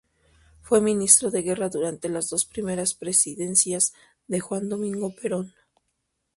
Fue Ministro de Guerra durante las dos primeras presidencias de Juan Domingo Perón.